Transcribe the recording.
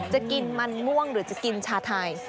จะกินมันม่วงหรือจะกินชาไทย